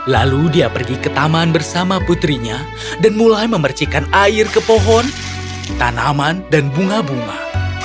lalu dia pergi ke taman bersama putrinya dan mulai memercikan air ke pohon tanaman dan bunga bunga